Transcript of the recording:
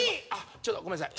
ちょっとごめんなさい。